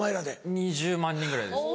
２０万人ぐらいです。